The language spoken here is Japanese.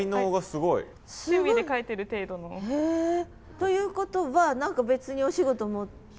ということは何か別にお仕事持って。